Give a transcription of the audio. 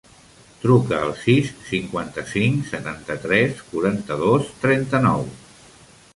Truca al sis, cinquanta-cinc, setanta-tres, quaranta-dos, trenta-nou.